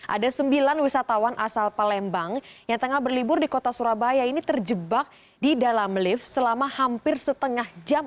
ada sembilan wisatawan asal palembang yang tengah berlibur di kota surabaya ini terjebak di dalam lift selama hampir setengah jam